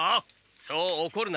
そうおこるな！